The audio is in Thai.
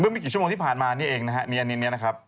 เมื่อเมื่อกี่ชั่วโมงที่ผ่านมาเนี่ยเองนะฮะเนี่ยเนี่ยเนี่ยนะครับ